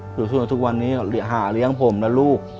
อยู่สู้อยู่ทุกวันนี้หาเลี้ยงผมแล้วลูก